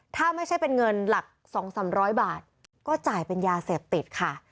ถ้าไม่ใช่เป็นเงินหลัก๒๓๐๐บาทก็จ่ายเป็นยาเสพติดค่ะ